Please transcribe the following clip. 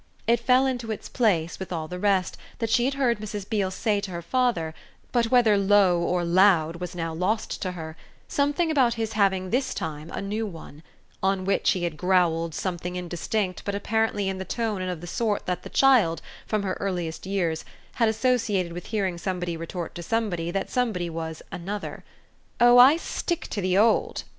It fell into its place with all the rest that she had heard Mrs. Beale say to her father, but whether low or loud was now lost to her, something about his having this time a new one; on which he had growled something indistinct but apparently in the tone and of the sort that the child, from her earliest years, had associated with hearing somebody retort to somebody that somebody was "another." "Oh I stick to the old!"